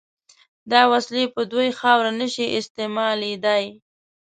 دا وسلې په دوی خاوره نشي استعمالېدای.